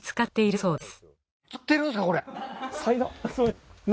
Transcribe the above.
そうですね